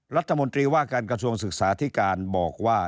รัฐมนตรีว่าการกระทรวงศึกษาธิการบอกว่า